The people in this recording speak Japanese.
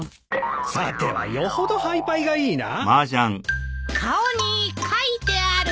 さてはよほど配パイがいいな。